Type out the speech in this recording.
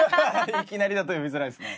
いきなりだと呼びづらいですね。